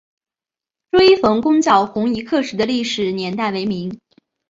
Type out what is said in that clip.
朱一冯攻剿红夷刻石的历史年代为明。